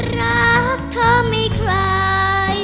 รักเธอไม่คลาย